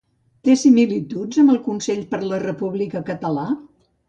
Té similituds amb el Consell per la República català?